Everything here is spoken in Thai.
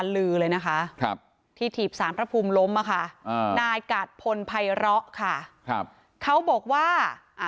รับภูมิล้มมาค่ะอ่านายกัดพลภัยร้อค่ะครับเขาบอกว่าอ่า